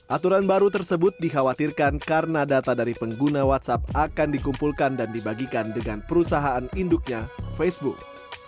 aturan baru tersebut dikhawatirkan karena data dari pengguna whatsapp akan dikumpulkan dan dibagikan dengan perusahaan induknya facebook